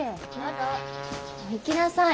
行きなさい。